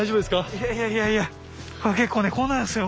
いやいやいやいや結構ねこうなるんですよ